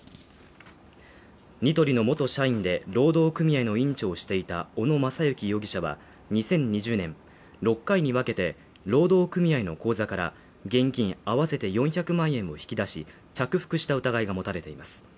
ニトリの元社員で、労働組合の委員長をしていた小野正行容疑者は、２０２０年６回に分けて、労働組合の口座から現金あわせて４００万円を引き出し、着服した疑いが持たれています。